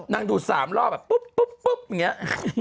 นั่งดูด๓รอบแบบปุ๊บอย่างเงี้ย